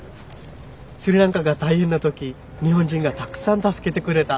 スリランカが大変な時日本人がたくさん助けてくれた。